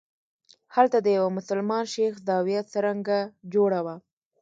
هلته د یوه مسلمان شیخ زاویه څرنګه جوړه وه.